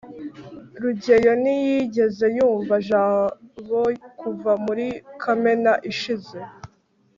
rugeyo ntiyigeze yumva jabo kuva muri kamena ishize